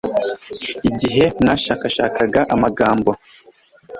igihe mwashakashakaga amagambo